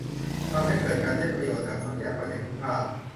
ทำให้เกิดการใช้ประโยชน์จากทรัพยากรอย่างคุ้มค่า